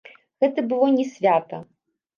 Гэта было не свята!